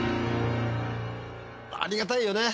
ありがたいよね。